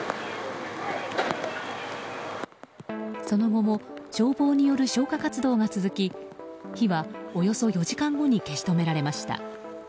その後も消防による消火活動が続き火はおよそ４時間後に消し止められました。